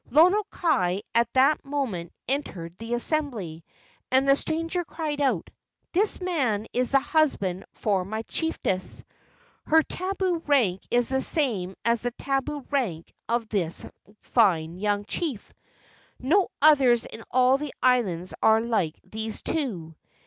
Lono kai at that moment entered the assembly, and the stranger cried out: ''This man is the husband for my chiefess. Her tabu rank is the same as the tabu rank of this fine young chief. No others in all the islands are like these two.